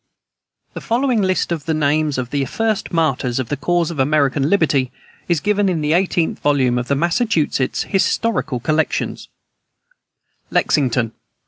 The following list of the names of those first martyrs in the cause of American liberty is given in the eighteenth volume of the "Massachusetts Historical Collections:" LEXINGTON.